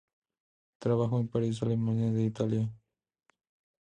Trabajó en París, Alemania e Italia.